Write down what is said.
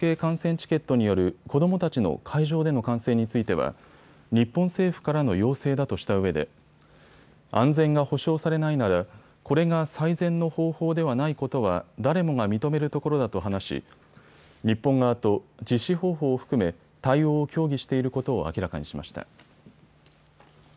チケットによる子どもたちの会場での観戦については日本政府からの要請だとしたうえで安全が保証されないならこれが最善の方法ではないことは誰もが認めるところだと話し日本側と実施方法を含め対応を協議していることを明らかにしました。